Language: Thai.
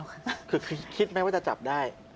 คือคิดไหมว่าจะจับได้